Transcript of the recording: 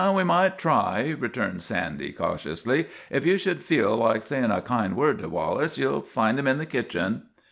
" We might try," returned Sandy, cautiously. "If you should feel like say in' a kind word to W T al lace ye '11 find him in the kitchen."